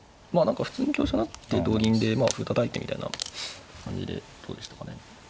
普通に香車成って同銀で歩たたいてみたいな感じでどうでしたかね。